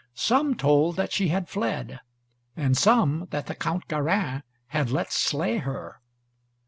Some told that she had fled, and some that the Count Garin had let slay her.